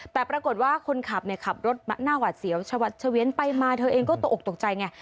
แต่ปรากฏว่าคนขับเนี่ยขับรถหน้าหวัดเสียวชวัดเฉวียนไปมาเธอเองก็ตกออกตกใจไง